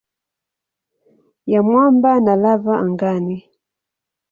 ya mwamba na lava angani.